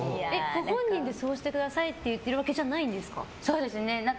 ご本人でそうしてくださいって言ってるわけじゃないんですか？